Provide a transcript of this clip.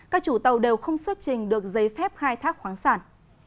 các chủ tàu đều không xuất trình được giấy phép khai thác khoáng sản